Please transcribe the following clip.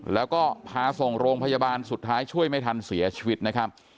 แล้วก็พาส่งโรงพยาบาลสุดท้ายช่วยไม่ทันเสียชีวิตนะครับ